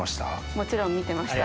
もちろん見てました。